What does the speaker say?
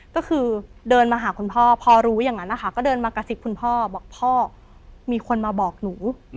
ก็คือเดินมาหาคุณพ่อพอรู้อย่างนั้นนะคะก็เดินมากระซิบคุณพ่อบอกพ่อมีคนมาบอกหนู